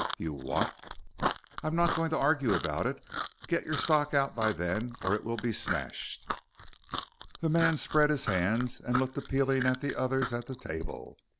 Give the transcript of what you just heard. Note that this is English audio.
"You're what?" "I'm not going to argue about it. Get your stock out by then or it will be smashed." The man spread his hands and looked appealing at the others at the table.